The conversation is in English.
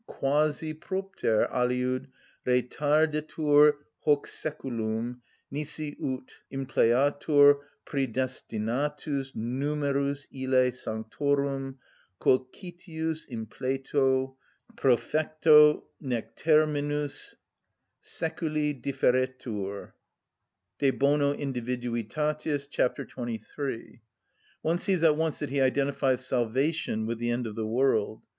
Quasi propter aliud retardetur hoc seculum, nisi ut impleatur prœdestinatus numerus ille sanctorum, quo citius impleto, profecto nec terminus seculi differetur_" (De bono individuitatis, c. 23). One sees at once that he identifies salvation with the end of the world.